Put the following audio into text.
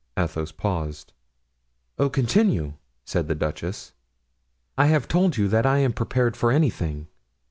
Athos paused. "Oh, continue!" said the duchess. "I have told you that I am prepared for anything."